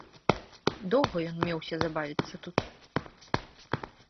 Доўга ён меўся забавіцца тут.